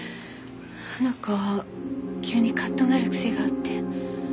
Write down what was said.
あの子急にカッとなる癖があって。